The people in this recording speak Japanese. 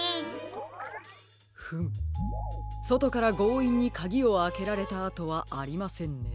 フムそとからごういんにかぎをあけられたあとはありませんね。